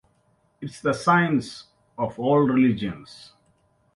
It's the science of all religions.